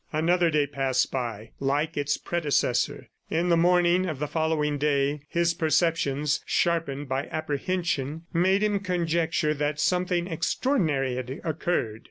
Another day passed by, like its predecessor. In the morning of the following day his perceptions, sharpened by apprehension, made him conjecture that something extraordinary had occurred.